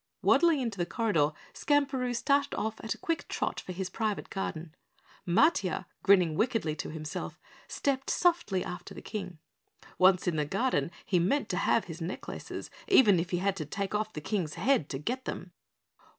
Waddling into the corridor, Skamperoo started off at a quick trot for his private garden. Matiah, grinning wickedly to himself, stepped softly after the King. Once in the garden, he meant to have his necklaces, even if he had to take off the King's head to get them.